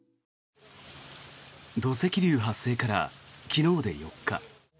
土石流発生から昨日で４日。